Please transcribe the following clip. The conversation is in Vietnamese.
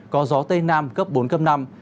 có gió tây nam cấp bốn cấp năm